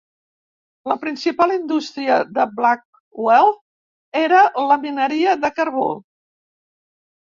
La principal indústria de Blackwell era la mineria de carbó.